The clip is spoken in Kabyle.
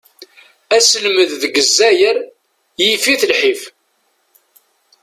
Aselmed deg Zzayer, yif-it lḥif.